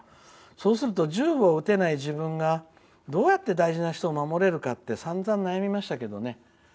そうすると銃を撃てない自分がどうやって大事な人を守れるかって散々悩みましたけど。